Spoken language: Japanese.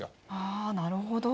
あなるほど。